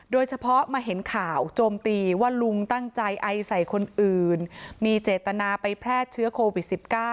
โดยเฉพาะมาเห็นข่าวโจมตีว่าลุงตั้งใจไอใส่คนอื่นมีเจตนาไปแพร่เชื้อโควิด๑๙